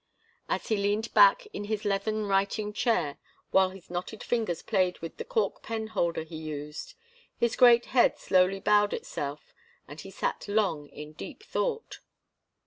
As he leaned back in his leathern writing chair, while his knotted fingers played with the cork pen holder he used, his great head slowly bowed itself, and he sat long in deep thought.